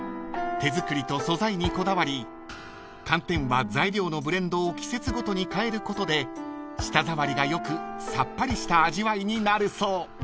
［手作りと素材にこだわり寒天は材料のブレンドを季節ごとに変えることで舌触りが良くさっぱりした味わいになるそう］